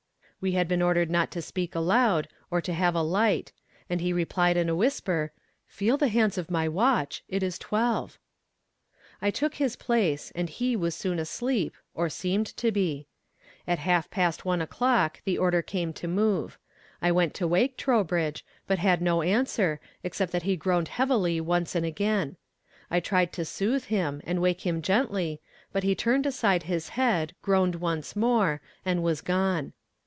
We had been ordered not to speak aloud, or to have a light; and he replied in a whisper, 'Feel the hands of my watch it is twelve.' "I took his place, and he was soon asleep, or seemed to be. At half past one o'clock the order came to move. I went to awake Trowbridge, but had no answer, except that he groaned heavily once and again. I tried to soothe him, and awake him gently, but he turned aside his head, groaned once more, and was gone.